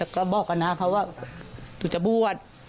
ก็บอกกันนะเค้าว่าฉันจะบวช